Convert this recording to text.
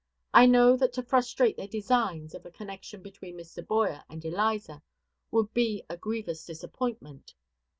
I know that to frustrate their designs of a connection between Mr. Boyer and Eliza would be a grievous disappointment.